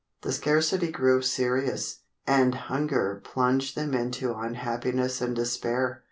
The scarcity grew serious, and hunger plunged them into unhappiness and despair.